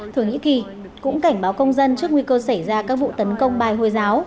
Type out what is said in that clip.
thổ nhĩ kỳ cũng cảnh báo công dân trước nguy cơ xảy ra các vụ tấn công bài hồi giáo